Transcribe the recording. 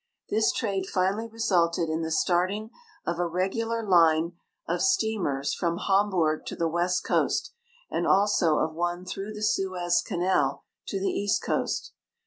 This trade finally resulted in the starting of a regular line of steamers from Hamburg to the west coast, and also of one through the Suez canal to the east coast.